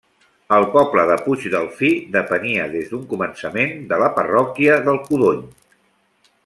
El poble de Puigdelfí depenia des d'un començament de la parròquia del Codony.